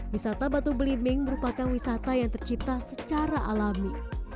wisata batu belimbing merupakan wisata yang tercipta secara alami